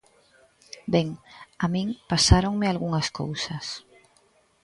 Ben, a min pasáronme algunhas cousas.